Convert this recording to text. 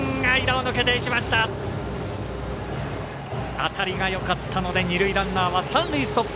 当たりがよかったので二塁ランナーは三塁ストップ。